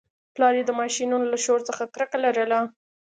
پلار یې د ماشینونو له شور څخه کرکه لرله